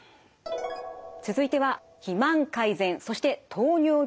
続いては肥満改善そして糖尿病予防です。